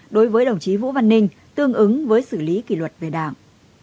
đối với đồng chí vũ văn ninh tương ứng với xử lý kỷ luật về đảng